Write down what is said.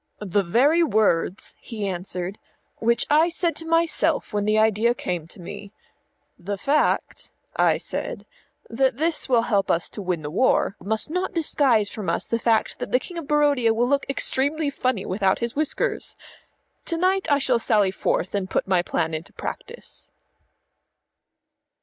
"The very words," he answered, "which I said to myself when the idea came to me. 'The fact,' I said, 'that this will help us to win the war, must not disguise from us the fact that the King of Barodia will look extremely funny without his whiskers.' To night I shall sally forth and put my plan into practice."